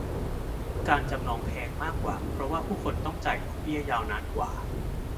การจำนองแพงมากกว่าเพราะว่าผู้คนต้องจ่ายดอกเบี้ยยาวนานกว่า